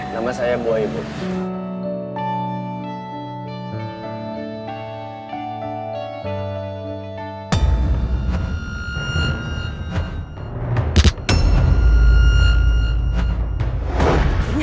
nama saya buah ibu